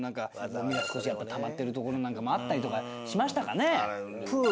ゴミが少したまってるところなんかもあったりとかしましたかねぇ？